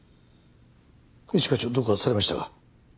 一課長どうかされましたか？